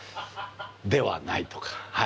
「ではない」とかはい。